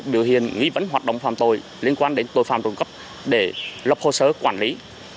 biểu hiện nghi vấn hoạt động phạm tội liên quan đến tội phạm trộm cắp để lập hồ sơ quản lý